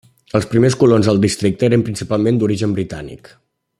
Els primers colons al districte eren principalment d'origen britànic.